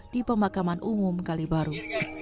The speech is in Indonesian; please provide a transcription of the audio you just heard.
di pemakaman umum kali baru